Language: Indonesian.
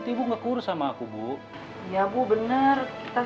tapi kan enggar masih bisa ngurus ya kan gar